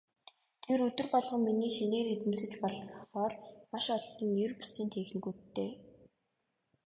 Тэр өдөр болгон миний шинээр эзэмшиж болохоор маш олон ер бусын техникүүдтэй.